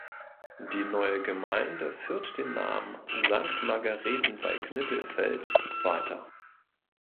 Die neue Gemeinde führt den Namen Sankt Margarethen bei Knittelfeld weiter.